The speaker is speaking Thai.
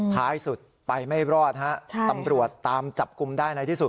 ท้ายสุดไปไม่รอดฮะตำรวจตามจับกลุ่มได้ในที่สุด